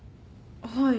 はい。